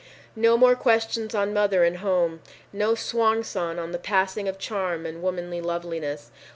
No more questions on mother and home! No swan song on the passing of charm and womanly loveliness!